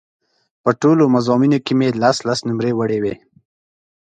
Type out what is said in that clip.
په ټولو مضامینو کې مې لس لس نومرې وړې وې.